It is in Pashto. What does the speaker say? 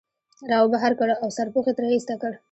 را وبهر کړ او سرپوښ یې ترې ایسته کړ.